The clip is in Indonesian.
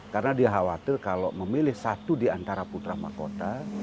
karena dia khawatir kalau memilih satu diantara putra mahkota